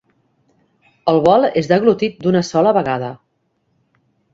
El bol és deglutit d'una sola vegada.